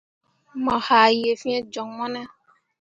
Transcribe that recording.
Mo haa yee fĩĩ joŋ mo ne ?